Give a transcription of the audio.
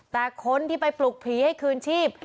แต่คนที่ไปปลุกผีให้คืนชีพ